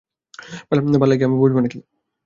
পাল্লায় কি আমি বসবো নাকি?